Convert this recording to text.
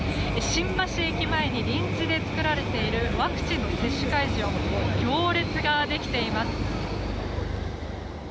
新橋駅前に臨時で作られているワクチンの接種会場には行列ができています。